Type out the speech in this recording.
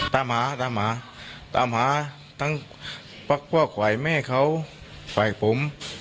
ตามหาถึงฮตามหาตั้งป่าวช่วยแม่เขาฝ่ายผม